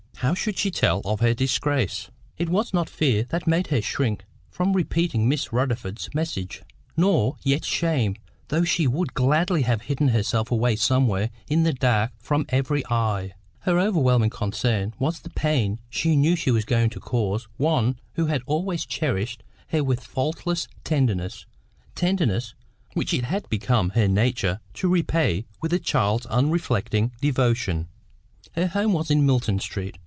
How should she tell of her disgrace? It was not fear that made her shrink from repeating Miss Rutherford's message; nor yet shame, though she would gladly have hidden herself away somewhere in the dark from every eye; her overwhelming concern was for the pain she knew she was going to cause one who had always cherished her with faultless tenderness, tenderness which it had become her nature to repay with a child's unreflecting devotion. Her home was in Milton Street.